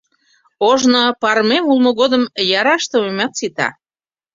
Ожно, парымем улмо годым, яра ыштымемат сита.